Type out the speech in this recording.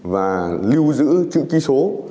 và lưu giữ chữ ký số